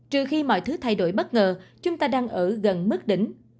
trừ khi mọi thứ thay đổi bất ngờ chúng ta đang ở gần mức đỉnh